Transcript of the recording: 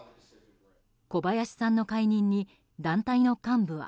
小林さんの解任に団体の幹部は。